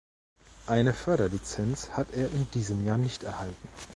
Eine Förderlizenz hat er in diesem Jahr nicht erhalten.